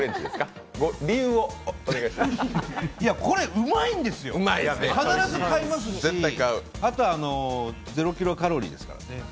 これ、うまいんですよ、必ず買いますし、あとはゼロキロカロリーですからね。